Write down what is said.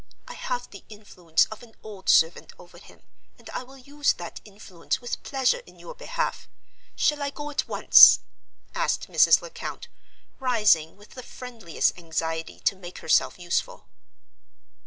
I have the influence of an old servant over him, and I will use that influence with pleasure in your behalf. Shall I go at once?" asked Mrs. Lecount, rising, with the friendliest anxiety to make herself useful.